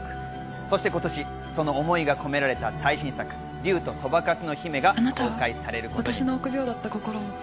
そして今年その思いが込められた最新作『竜とそばかすの姫』が公開されることに。